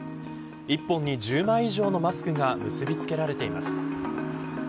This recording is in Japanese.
１本に１０枚以上のマスクが結びつけられています。